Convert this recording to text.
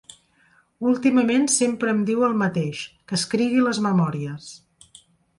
Últimament sempre em diu el mateix, que escrigui les memòries.